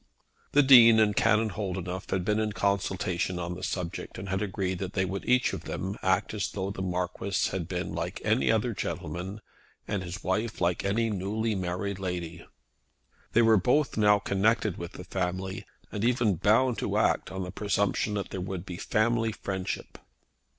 The Dean and Canon Holdenough had been in consultation on the subject, and had agreed that they would each of them act as though the Marquis had been like any other gentleman, and his wife like any other newly married lady. They were both now connected with the family, and even bound to act on the presumption that there would be family friendship.